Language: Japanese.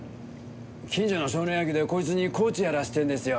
近所の少年野球でこいつにコーチやらせてるんですよ。